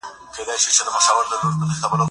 کېدای سي ږغ کم وي!.